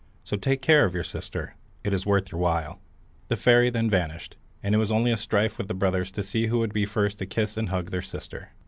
So take care of your sister; it is worth your while." The fairy then vanished, and it was only a strife with the brothers to see who would be first to kiss and hug their sister.